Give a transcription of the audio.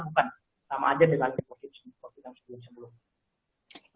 bukan sama aja dengan covid sembilan belas sebelum sebelumnya